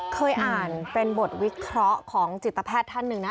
เคยอ่านเป็นบทวิเคราะห์ของจิตแพทย์ท่านหนึ่งนะ